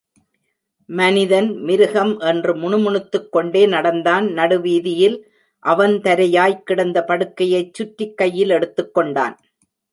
மனிதன் மிருகம்...! என்று முணுமுணுத்துக் கொண்டே நடந்தான் நடு வீதியில் அவந்தரையாய்க் கிடந்த படுக்கையைச் சுற்றிக் கையில் எடுத்துக்கொண்டான்.